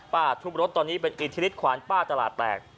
ทุบรถตอนนี้เป็นอิทธิฤทธขวานป้าตลาดแตก